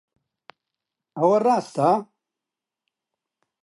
ئەوە ڕاستە؟